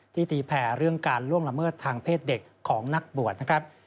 ตีแผ่เรื่องการล่วงละเมิดทางเพศเด็กของนักบวชนะครับ